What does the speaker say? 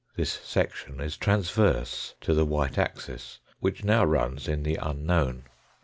This section is transverse to the white axis, which now runs in the unknown.